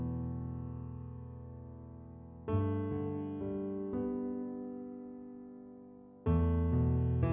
จะปลอดภัย